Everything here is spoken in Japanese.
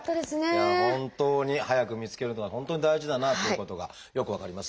本当に早く見つけるのは本当に大事だなということがよく分かりますね。